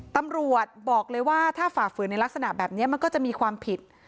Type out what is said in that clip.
ตำรวจบอกเลยว่าถ้าฝ่าฝืนในลักษณะแบบนี้มันก็จะมีความผิด